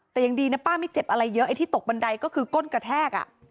แต่ยังดีนะป้าไม่เจ็บอะไรเยอะไอ้ที่ตกบันไดก็คือก้นกระแทก